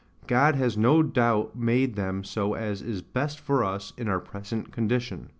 God has no doubt made them so as is best for us in our present condition.